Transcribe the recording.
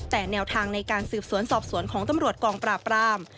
แต่แนวทางในการสืบสวนสอบสวนของตำรวจกองปราบราม